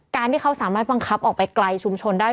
การที่เขาสามารถบังคับออกไปไกลชุมชนได้